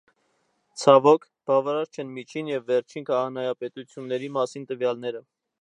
Ցավոք, բավարար չեն միջին և վերջին քահանայապետությունների մասին տվյալները։